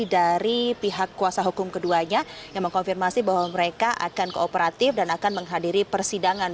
dari pihak kuasa hukum keduanya yang mengkonfirmasi bahwa mereka akan kooperatif dan akan menghadiri persidangan